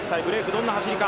どんな走りか。